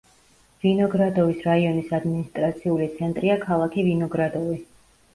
ვინოგრადოვის რაიონის ადმინისტრაციული ცენტრია ქალაქი ვინოგრადოვი.